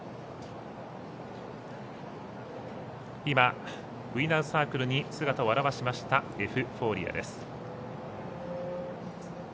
今、ウイナーズ・サークルに姿を見せましたエフフォーリアです。